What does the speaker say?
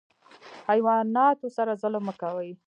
حیواناتو سره ظلم مه کوئ